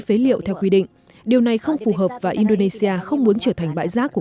phế liệu theo quy định điều này không phù hợp và indonesia không muốn trở thành bãi rác của